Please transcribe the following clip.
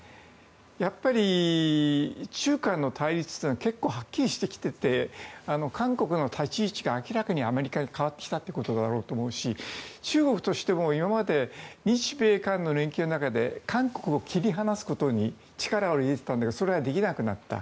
やっぱり、中韓の対立は結構はっきりしてきてて韓国の立ち位置が明らかにアメリカへと変わってきたことと思いますし中国としても今まで、日米韓の連携の中で韓国を切り離すことに力を入れてたんだけどそれができなくなった。